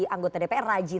anggota dpr rajin